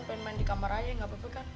aku pen main di kamar aja gak apa apa kan